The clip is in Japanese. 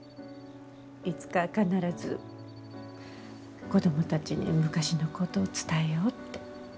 いつか必ず子供たちに昔のこと伝えようって。